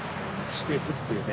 士別っていうね